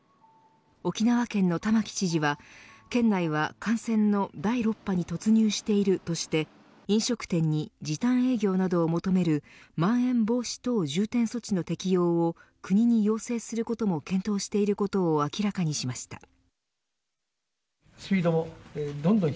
沖縄県の玉城知事は県内は感染の第６波に突入しているとして飲食店に時短営業などを求めるまん延防止等重点措置の適用を国に要請することも検討していることを明らかにしました。